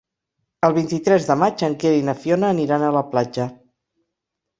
El vint-i-tres de maig en Quer i na Fiona aniran a la platja.